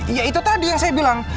ya itu tadi yang saya bilang